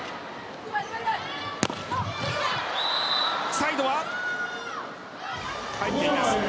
サイドは入っています。